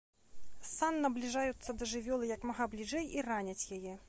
Сан набліжаюцца да жывёлы як мага бліжэй і раняць яе.